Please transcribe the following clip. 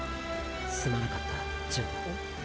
すまなかった純太。